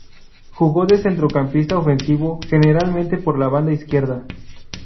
Jugó de centrocampista ofensivo, generalmente por la banda izquierda.